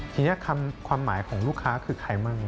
ทีนี้ความหมายของลูกค้าคือใครมั่ง